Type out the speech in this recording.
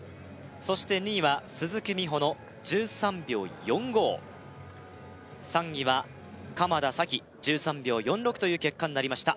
そして２位は鈴木美帆の１３秒４５３位は鎌田咲季１３秒４６という結果になりました